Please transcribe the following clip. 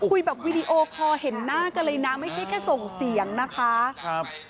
คุยแบบวีดีโอคอร์เห็นหน้ากันเลยนะไม่ใช่แค่ส่งเสียงนะคะครับ